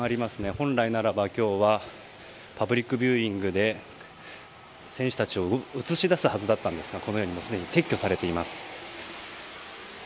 本来ならば今日はパブリックビューイングで選手たちを映し出すはずだったんですが、このように撤去されています。